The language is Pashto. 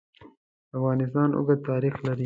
افغانستان اوږد تاریخ لري.